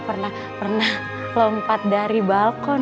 pernah lompat dari balkon